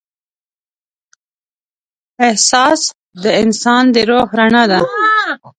احساس د انسان د روح رڼا ده.